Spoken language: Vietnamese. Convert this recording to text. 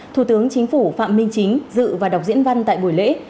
thủ tướng chính phủ phạm minh chính dự và đọc diễn văn tại buổi lễ